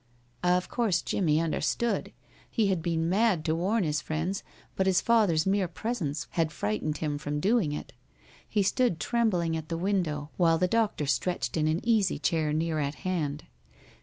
Of course Jimmie understood. He had been mad to warn his friends, but his father's mere presence had frightened him from doing it. He stood trembling at the window, while the doctor stretched in an easy chair near at hand.